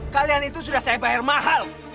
kalian itu sudah saya bayar mahal